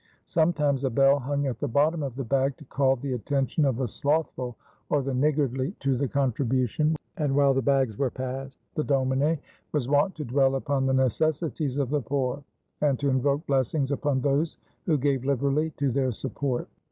Sometimes a bell hung at the bottom of the bag to call the attention of the slothful or the niggardly to the contribution, and while the bags were passed the domine was wont to dwell upon the necessities of the poor and to invoke blessings upon those who gave liberally to their support.